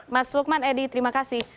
mas lukman edi terima kasih